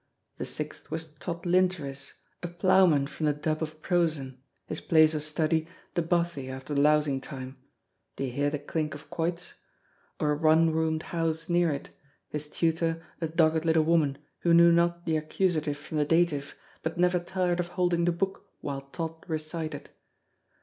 The sixth was Tod Lindertis, a ploughman from the Dubb of Prosen, his place of study the bothy after lousing time (Do you hear the klink of quoits?) or a one roomed house near it, his tutor a dogged little woman, who knew not the accusative from the dative, but never tired of holding the book while Tod recited.